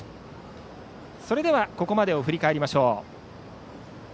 それではここまでを振り返ります。